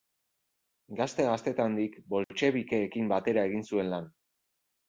Gazte gaztetandik boltxebikeekin batera egin zuen lan.